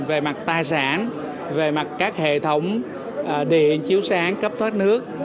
về mặt tài sản về mặt các hệ thống điện chiếu sáng cấp thoát nước